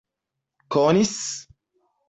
konis